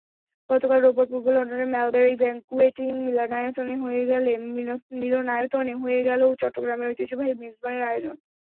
গতকাল রোববার পূর্ব লন্ডনের মালব্যারি ব্যাঙ্কুয়েটিং মিলনায়তনে হয়ে গেল চট্টগ্রামের ঐতিহ্যবাহী মেজবানের আয়োজন।